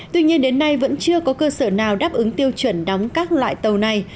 tuy nhiên đến nay vẫn chưa có cơ sở nào đáp ứng tiêu chuẩn đóng các loại tàu này